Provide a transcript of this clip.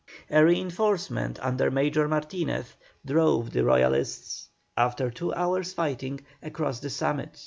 A reinforcement under Major Martinez drove the Royalists, after two hours' fighting, across the summit.